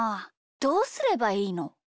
どうすればいいの？